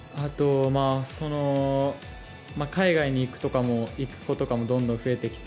海外に行く子とかもどんどん増えてきて